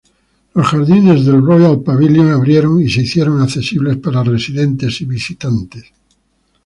Los Jardines del Royal Pavilion abrieron y se hicieron accesibles para residentes y visitantes.